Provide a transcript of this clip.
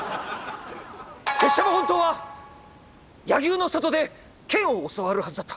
拙者も本当は柳生の里で剣を教わるはずだった。